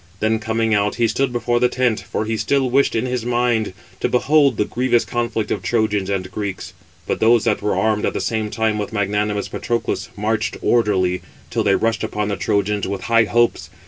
Then coming out, he stood before the tent, for he still wished in his mind to behold the grievous conflict of Trojans and Greeks. But those that were armed at the same time with magnanimous Patroclus, marched orderly, till they rushed upon the Trojans, with high hopes.